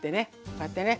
こうやってね。